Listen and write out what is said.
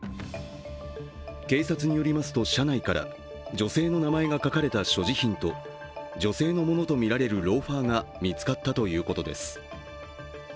警察によりますと車内から女性の名前が書かれた所持品と、女性のものとみられるローファーが見つかったということです。